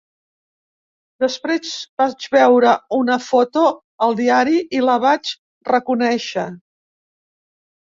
Després vaig veure una foto al diari i la vaig reconèixer.